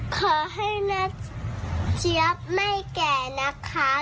ขอให้นักเจี๊ยบไม่แก่นะคะ